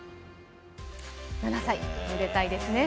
７歳、めでたいですね。